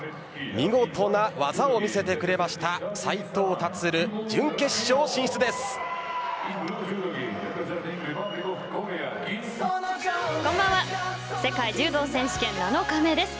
見事な技を見せてくれました斉藤立、準決勝進出です。